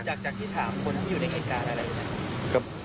จากที่ถามควรอยู่ในเหตุการณ์อะไรอยู่น่ะ